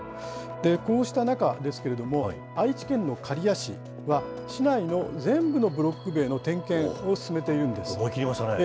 こうした中ですけれども、愛知県の刈谷市は、市内の全部のブロック塀の点検を進めているん思い切りましたね。